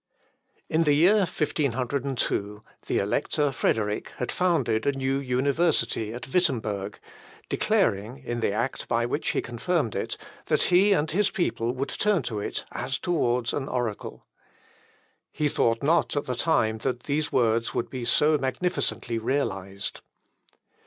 In the year 1502, the Elector Frederick had founded a new university at Wittemberg, declaring, in the act by which he confirmed it, that he and his people would turn to it as towards an oracle. He thought not at the time that these words would be so magnificently realised.